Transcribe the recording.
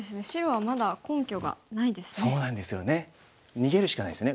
逃げるしかないですね。